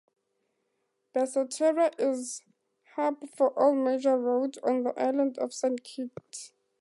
Basseterre is hub for all major roads on the island of Saint Kitts.